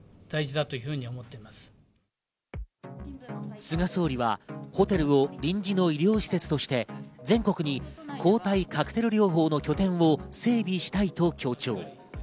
菅総理はホテルを臨時の医療施設として全国に抗体カクテル療法の拠点を整備したいと強調。